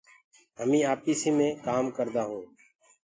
همينٚ آڦيِسي مي ڪآم ڪردآ هونٚ